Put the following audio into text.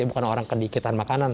bukan orang kedikitan makanan